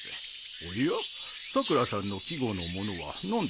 おやさくらさんの季語の物は何ですか？